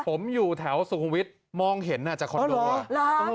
ผมอยู่แถวสุขุมวิทย์มองเห็นจากคอนโดอ่ะ